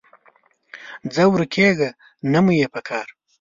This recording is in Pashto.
ځه ورکېږه، نه مو یې پکار